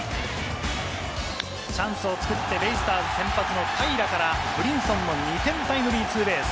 チャンスを作ってベイスターズ先発の平良からブリンソンの２点タイムリーツーベース。